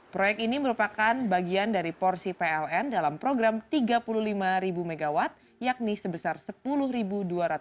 proyek ini merupakan bagian dari porsi pln dalam program tiga puluh lima mw yakni sebesar sepuluh dua ratus